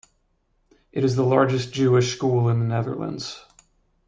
It is the largest Jewish school in the Netherlands.